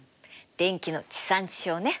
電気の地産地消ね。